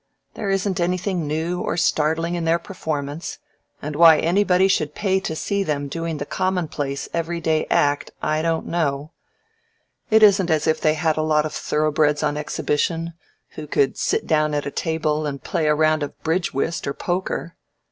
There isn't anything new or startling in their performance, and why anybody should pay to see them doing the commonplace, every day act I don't know. It isn't as if they had a lot of thoroughbreds on exhibition who could sit down at a table and play a round of bridge whist or poker.